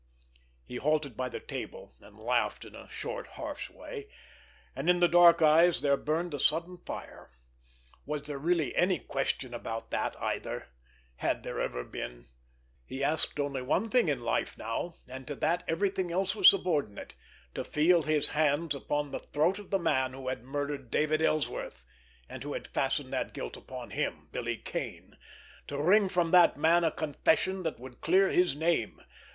He halted by the table, and laughed in a short, harsh way, and in the dark eyes there burned a sudden fire. Was there really any question about that, either? Had there ever been! He asked only one thing in life now, and to that everything else was subordinate—to feel his hands upon the throat of the man who had murdered David Ellsworth, and who had fastened that guilt upon him—Billy Kane—to wring from that man a confession that would clear his name.